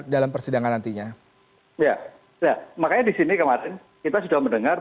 dalam persidangan nantinya ya ya makanya di sini kemarin kita sudah mendengar